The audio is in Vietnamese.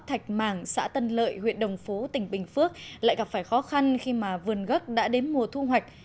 thạch màng xã tân lợi huyện đồng phú tỉnh bình phước lại gặp phải khó khăn khi mà vườn gốc đã đến mùa thu hoạch